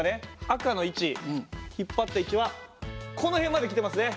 赤の位置引っ張った位置はこの辺まで来てますね。